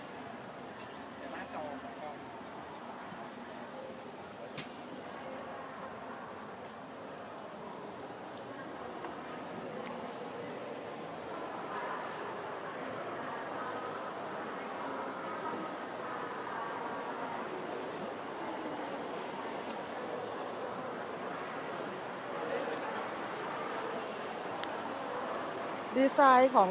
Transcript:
เดี๋ยวเราไปเปิดในส่วนของประตูหน้าอันนี้เดี๋ยวหาให้ดูในของ